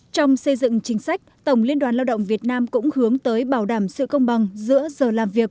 trong xây dựng chính sách tổng liên đoàn lao động việt nam cũng hướng tới bảo đảm sự công bằng giữa giờ làm việc